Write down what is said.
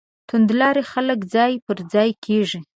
توندلاري خلک ځای پر ځای کېږي.